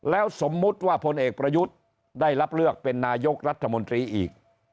แล้วสมมุติว่าพลเอกประยุทธ์ได้รับเลือกเป็นนายกรัฐมนตรีอีก